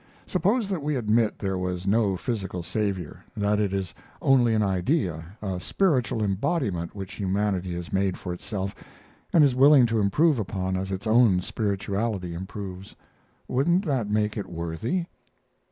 Suppose that we admit there was no physical Saviour that it is only an idea a spiritual embodiment which humanity has made for itself and is willing to improve upon as its own spirituality improves, wouldn't that make it worthy?"